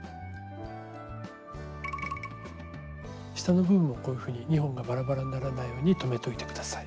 下の部分もこういうふうに２本がバラバラにならないように留めておいて下さい。